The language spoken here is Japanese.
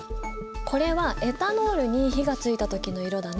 これはエタノールに火がついた時の色だね。